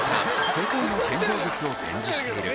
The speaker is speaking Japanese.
「世界の建造物を展示している」